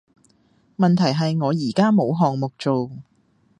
問題係我而家冇項目做